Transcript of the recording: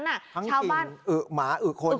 จังทรีย์หม้าอึ๊ะคน